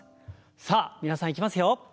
さあ皆さんいきますよ。